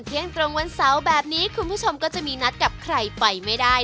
เที่ยงตรงวันเสาร์แบบนี้คุณผู้ชมก็จะมีนัดกับใครไปไม่ได้